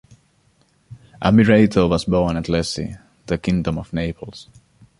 Ammirato was born at Lecce, in the Kingdom of Naples.